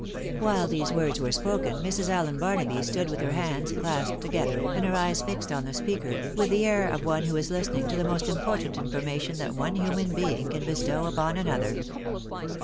While these words were spoken, Mrs. Allen Barnaby stood with her hands clasped together, and her eyes fixed on the speaker, with the air of one who is hstening to the most important information that one human being can bestow upon another.